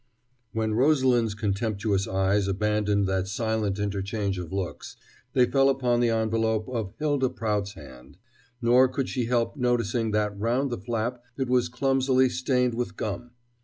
When Rosalind's contemptuous eyes abandoned that silent interchange of looks, they fell upon the envelope in Hylda Prout's hand, nor could she help noticing that round the flap it was clumsily stained with gum.